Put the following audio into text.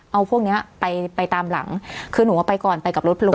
เอาพวกเนี้ยไปไปตามหลังคือหนูเอาไปก่อนไปกับรถลุง